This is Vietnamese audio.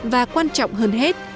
và quan trọng hơn hết